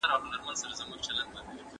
هغه لېواله کيږي چي ځان له نورو ځار کړي.